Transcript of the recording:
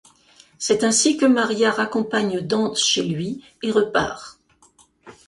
C'est ainsi que Maria raccompagne Dante chez lui et repart.